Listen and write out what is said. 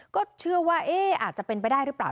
ก็เชื่อว่าอาจจะเป็นไปได้หรือเปล่า